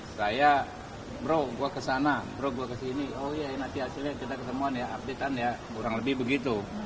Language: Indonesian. saya bro gue kesana bro gue kesini oh iya nanti hasilnya kita ketemuan ya artisan ya kurang lebih begitu